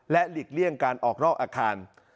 หลีกเลี่ยงการออกนอกอาคาร